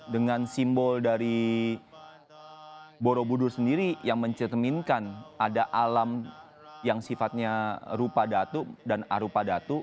dengan simbol dari borobudur sendiri yang mencerminkan ada alam yang sifatnya rupa datu dan arupa datu